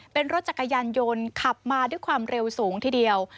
เป็นรถจักรยานยนต์ขับมาด้วยความเร็วสูงทีเดียว